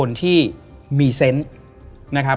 และยินดีต้อนรับทุกท่านเข้าสู่เดือนพฤษภาคมครับ